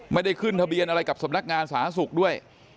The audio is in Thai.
ไม่ได้ขึ้นทะเบียนอะไรกับสงสศด้วย